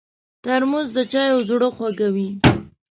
ترموز د چایو زړه خوږوي.